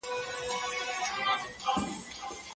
د کار عصري سیستم هره ورځ پرمختګ کاوه.